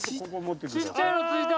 小っちゃいの付いた！